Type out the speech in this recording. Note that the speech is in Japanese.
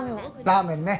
ラーメンね。